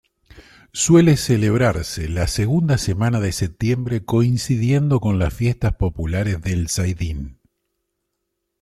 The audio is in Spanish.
Suele celebrarse la segunda semana de septiembre coincidiendo con las fiestas populares del Zaidín.